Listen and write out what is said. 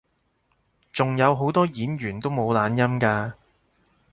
仲有好多演員都冇懶音㗎